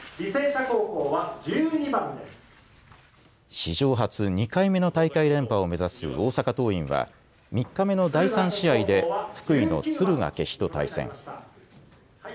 史上初、２回目の大会連覇を目指す大阪桐蔭は３日目の第３試合で福井の敦賀気比と対戦。